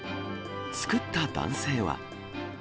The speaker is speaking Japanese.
作った男性は。